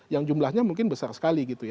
yang jumlahnya mungkin besar sekali gitu ya